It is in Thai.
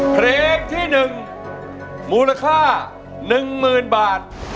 เพลงที่๑มูลค่า๑๐๐๐บาท